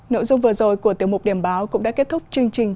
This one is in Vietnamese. nội dung vừa rồi của tiếng mục điểm báo cũng đã kết thúc chương trình